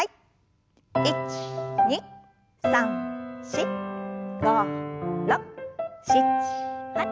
１２３４５６７８。